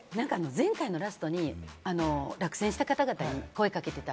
前回のラストに落選した方々に声かけてた。